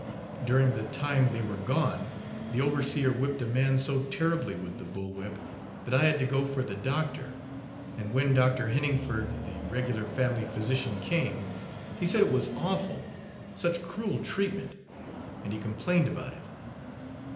During the time they were gone the overseer whipped a man so Page 20 terribly with the "bull whip" that I had to go for the doctor, and when Dr. Heningford, the regular family physician, came, he said it was awful such cruel treatment, and he complained about it.